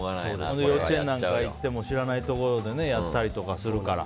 幼稚園なんか行っても知らないところでやったりとかするから。